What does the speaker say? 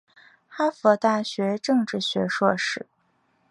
哈佛大学政治学硕士。